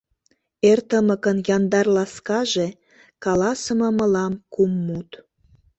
Эр тымыкын яндар ласкаже — Каласыме мылам кум мут.